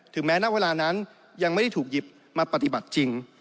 แม้ณเวลานั้นยังไม่ได้ถูกหยิบมาปฏิบัติจริง